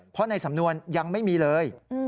เพราะในสำนวนยังไม่มีเลย